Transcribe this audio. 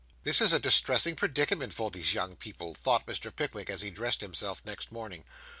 'This is a distressing predicament for these young people,' thought Mr. Pickwick, as he dressed himself next morning.